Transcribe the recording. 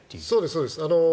そうです。